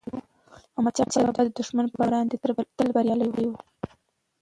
احمدشاه بابا د دښمن پر وړاندی تل بریالي و.